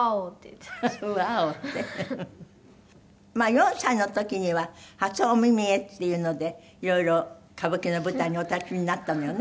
４歳の時には初お目見えっていうのでいろいろ歌舞伎の舞台にお立ちになったのよね？